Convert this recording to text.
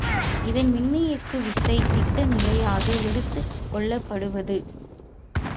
இதன் மின்னியக்குவிசை திட்ட நிலையாக எடுத்துக் கொள்ளப்படுவது.